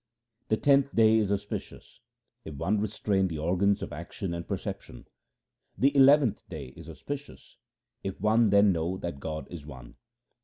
The tenth day is auspicious if one restrain the organs of action and perception : the eleventh day is auspicious if one then know that God is one.